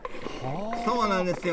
そうなんですよ。